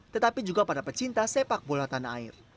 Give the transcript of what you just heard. tetapi juga pada pecinta sepak bola tanah air